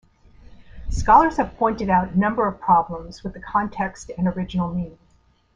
Scholars have pointed out a number of problems with the context and original meaning.